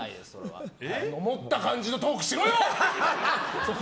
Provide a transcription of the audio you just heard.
思った感じのトークしろよ！